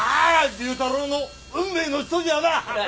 龍太郎の運命の人じゃあな！